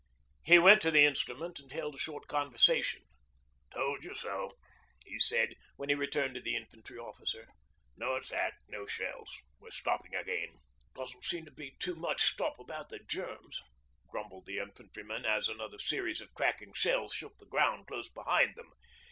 He went to the instrument and held a short conversation. 'Told you so,' he said, when he returned to the infantry officer. 'No attack no shells. We're stopping again.' 'Doesn't seem to be too much stop about the Germs,' grumbled the infantryman, as another series of crackling shells shook the ground close behind them.